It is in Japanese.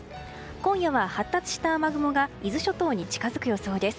今夜は発達した雨雲が伊豆諸島に近づく予想です。